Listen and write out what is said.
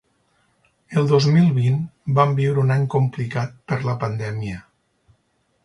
En dos mil vint vam viure un any complicat per la pandèmia.